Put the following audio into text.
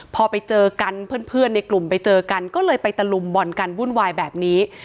พอไปเจอกันเพื่อนในกลุ่มไปเจอกันก็เลยไปตะลุมบ่อนกันวุ่นวายแบบนี้